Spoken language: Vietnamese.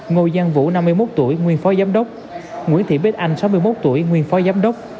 ngô giang vũ năm mươi một tuổi nguyên phó giám đốc nguyễn thị bích anh sáu mươi một tuổi nguyên phó giám đốc